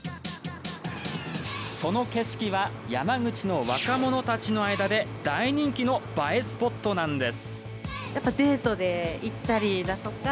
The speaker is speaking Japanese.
その景色は山口の若者たちの間で大人気の映えスポットなんです。